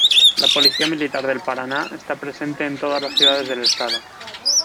La Policía Militar del Paraná está presente en todas las ciudades del Estado.